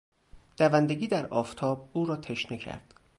دوندگی در آفتاب او را تشنه کرد.